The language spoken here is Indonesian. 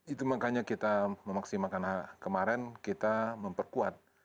itu makanya kita memaksimalkan kemarin kita memperkuat